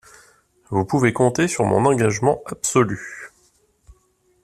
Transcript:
Vous pouvez compter sur mon engagement absolu.